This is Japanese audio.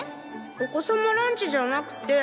お子さまランチじゃなくて。